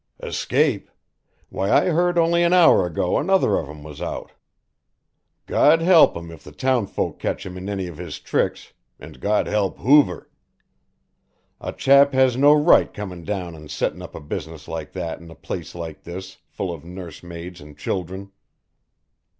"Escape why I heard only an hour ago another of them was out. Gawd help him if the town folk catch him at any of his tricks, and Gawd help Hoover. A chap has no right comin' down and settin' up a business like that in a place like this full of nursemaids and children.